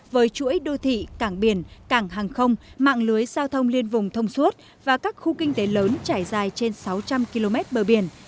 với chuỗi đô thị cảng biển cảng hàng không mạng lưới giao thông liên vùng thông suốt và các khu kinh tế lớn trải dài trên sáu trăm linh km bờ biển